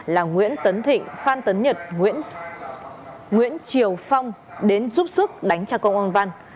là nguyễn tấn thịnh phan tấn nhật nguyễn triều phong đến giúp sức đánh cha con ông văn